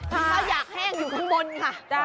พี่ข้าอยากแห้งอยู่กำลังบนค่ะ